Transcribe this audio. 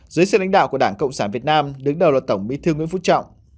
dưới sự lãnh đạo của đảng cộng sản việt nam đứng đầu là tổng bí thư nguyễn phú trọng